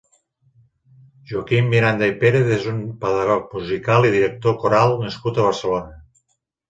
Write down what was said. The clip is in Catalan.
Joaquim Miranda i Pérez és un pedagog musical i director coral nascut a Barcelona.